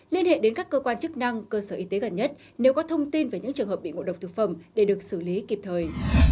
liên hệ đến các cơ quan chức năng cơ sở y tế gần nhất nếu có thông tin về những trường hợp bị ngộ độc thực phẩm để được xử lý kịp thời